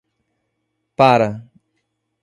Para